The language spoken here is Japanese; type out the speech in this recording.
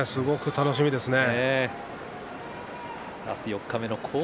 楽しみですね。